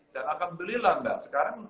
dan akan beli lah mbak sekarang